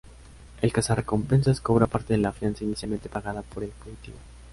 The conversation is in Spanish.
El cazarrecompensas cobra parte de la fianza inicialmente pagada por el fugitivo.